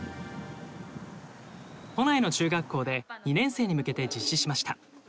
都内の中学校で２年生に向けて実施しました。